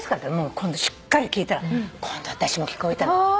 今度しっかり聞いたら今度私も聞こえたの。